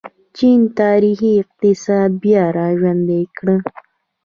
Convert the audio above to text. چین تاریخي اقتصاد بیا راژوندی کړ.